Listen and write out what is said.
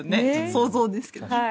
想像ですけど。